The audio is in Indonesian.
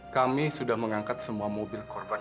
kami sudah mengangkat semua mobil korban